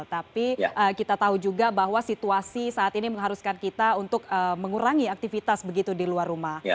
tapi kita tahu juga bahwa situasi saat ini mengharuskan kita untuk mengurangi aktivitas begitu di luar rumah